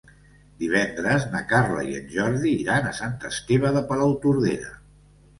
Divendres na Carla i en Jordi iran a Sant Esteve de Palautordera.